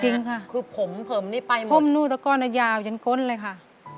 จริงค่ะเพิ่มนี่ไปหมดยาวจนก้นเลยค่ะ